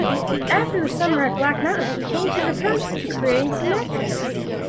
After the summer at Black Mountain, he changed his approach to creating ceramics.